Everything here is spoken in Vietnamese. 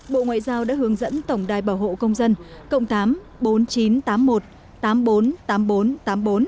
bộ ngoại giao đã hướng dẫn tổng đài bảo hộ công dân cộng thám bốn nghìn chín trăm tám mươi một tám trăm bốn mươi tám nghìn bốn trăm tám mươi bốn